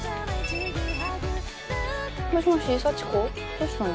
どうしたの？